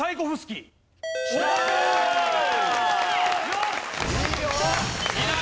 よし！